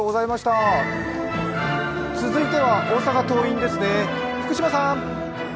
続いては大阪桐蔭ですね、福島さん。